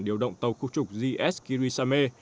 điều động tàu khu trục gs kirisame